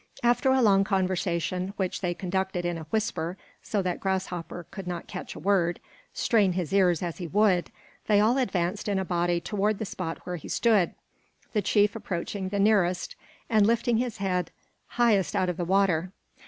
After a long conversation, which they conducted in a whisper so that Grasshopper could not catch a word, strain his ears as he would, they all advanced in a body toward the spot where he stood; the chief approaching the nearest and lifting his head highest out of the water.